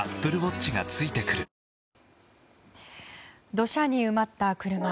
土砂に埋まった車。